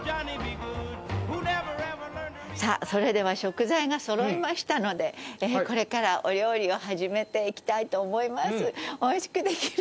さあそれでは食材がそろいましたのでこれからお料理を始めていきたいと思います。